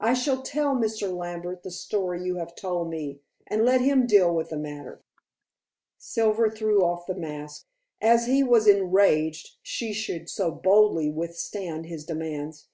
I shall tell Mr. Lambert the story you have told me, and let him deal with the matter." Silver threw off the mask, as he was enraged she should so boldly withstand his demands.